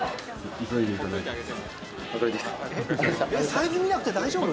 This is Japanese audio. サイズ見なくて大丈夫？